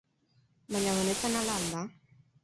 Baina benetan hala al da?